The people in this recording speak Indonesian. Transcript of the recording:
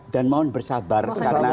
dan mohon bersabar